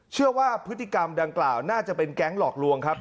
เชื่อว่าพฤติกรรมดังกล่าวน่าจะเป็นแก๊งหลอกลวงครับ